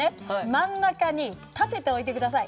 真ん中に立てて置いてください。